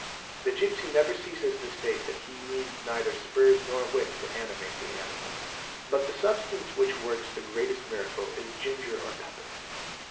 The gipsy never ceases to state that he needs neither spurs nor whip to animate the animal. But the substance which works the greatest miracle is ginger or pep per.